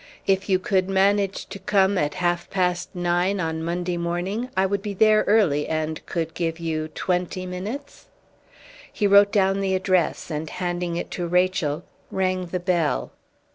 If you could manage to come at half past nine on Monday morning, I would be there early and could give you twenty minutes." He wrote down the address, and, handing it to Rachel, rang the bell.